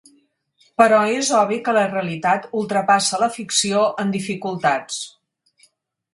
Però és obvi que la realitat ultrapassa la ficció en dificultats.